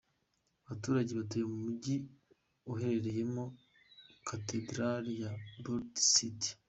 Abaturage batuye mu mujyi uherereyemo Cathedral ya Bury St.